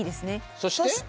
そして？